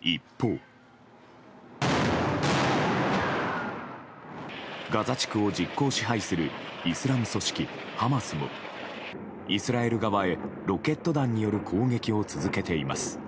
一方、ガザ地区を実効支配するイスラム組織ハマスもイスラエル側へロケット弾による攻撃を続けています。